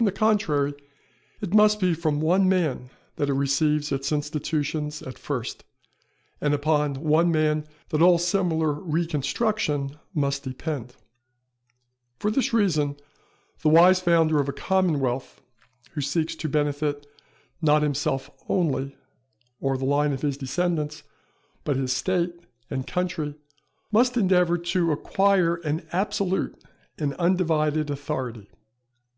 On the contrary, it must be from one man that it receives its institutions at first, and upon one man that all similar reconstruction must depend. For this reason the wise founder of a commonwealth who seeks to benefit not himself only, or the line of his descendants, but his State and country, must endeavour to acquire an absolute and undivided authority.